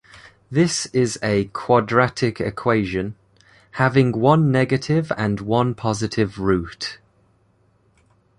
This is a quadratic equation, having one negative and one positive root.